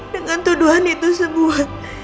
dengan tuduhan itu semua